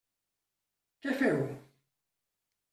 Què feu?